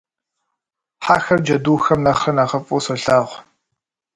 Хьэхэр джэдухэм нэхърэ нэхъыфӀу солъагъу.